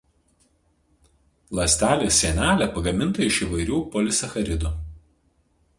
Ląstelės sienelė pagaminta iš įvairių polisacharidų.